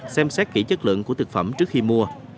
xem xét kỹ chất lượng của thực phẩm trước khi mua